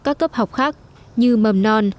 các cấp học khác như mầm non